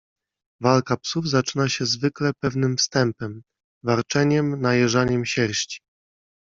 Walka psów zaczyna się zwykle pewnym wstępem: warczeniem, najeżaniem sierści